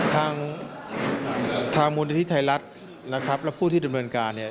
ทางทางมูลนิธิไทยรัฐนะครับและผู้ที่ดำเนินการเนี่ย